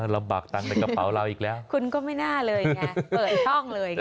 ลำบากตังค์ในกระเป๋าเราอีกแล้วคุณก็ไม่น่าเลยไงเปิดช่องเลย